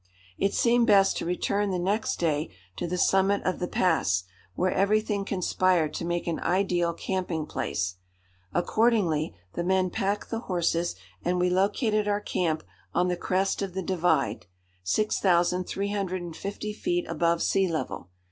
It seemed best to return the next day to the summit of the pass, where everything conspired to make an ideal camping place. Accordingly, the men packed the horses and we located our camp on the crest of the divide, 6350 feet above sea level.